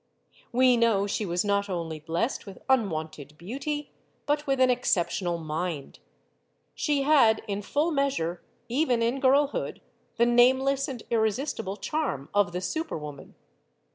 We know she was not only blessed with unwonted beauty, but with an exceptional mind. She had, in full measure, even in girlhood, the nameless and ir resistible charm of the super woman.